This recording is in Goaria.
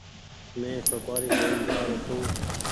مينٚ سوپآري لين جآرو ڇوٚنٚ